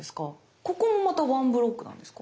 ここもまた１ブロックなんですか？